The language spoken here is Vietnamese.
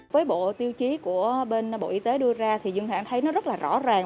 với bộ tiêu chí của bộ y tế đưa ra thì dân hãng thấy nó rất là rõ ràng